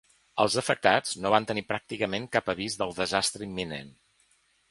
Els afectats no van tenir pràcticament cap avís del desastre imminent.